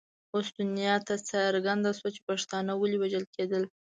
اوس دنیا ته څرګنده شوه چې پښتانه ولې وژل کېدل.